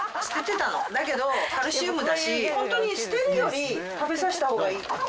捨ててたのだけどカルシウムだしホントに捨てるより食べさせたほうがいい。